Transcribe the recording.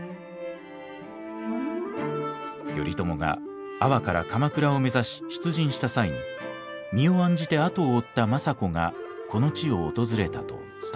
頼朝が安房から鎌倉を目指し出陣した際に身を案じて後を追った政子がこの地を訪れたと伝わります。